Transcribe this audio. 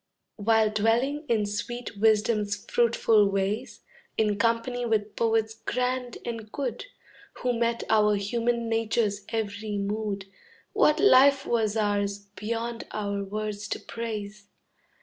[C] While dwelling in sweet wisdom's fruitful ways, In company with poets grand and good Who met our human nature's every mood, What life was ours, beyond our words to praise!